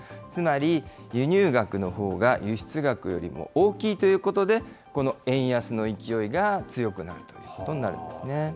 つまり、輸入額のほうが、輸出額よりも大きいということで、この円安の勢いが強くなるということになるんですね。